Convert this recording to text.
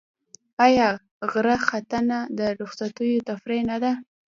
آیا غره ختنه د رخصتیو تفریح نه ده؟